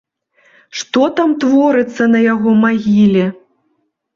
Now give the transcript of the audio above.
Што там творыцца на яго магіле!